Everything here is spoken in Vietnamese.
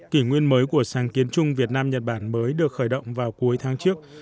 kỷ nguyên mới của sáng kiến chung việt nam nhật bản mới được khởi động vào cuối tháng trước